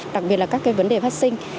đặc biệt là các vấn đề vắc xinh